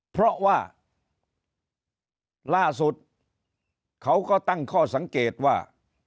เพราะว่าล่าสุดเขาก็ตั้งข้อสังเกตว่า